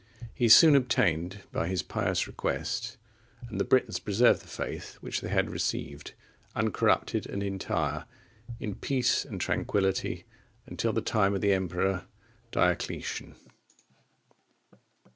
(42) He soon obtained his pious request, and the Britons preserved the faith, which they had received, uncorrupted and entire, in peace and tranquillity until the time of the Emperor Diocletian.